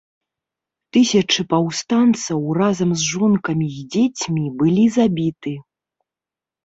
Тысячы паўстанцаў разам з жонкамі і дзецьмі былі забіты.